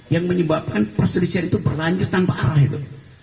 yang menyebabkan perselisihan itu berlanjut tanpa arah itu